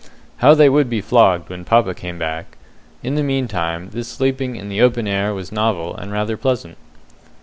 How they would be flogged when papa came back! In the meantime this sleeping in the open air was novel and rather pleasant.